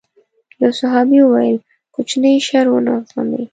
يو صحابي وويل کوچنی شر ونه زغمي.